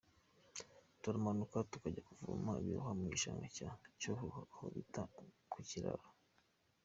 Turamanuka tukajya kuvoma ibirohwa mu gishanga cya Cyohoha aho bita ku Kiraro.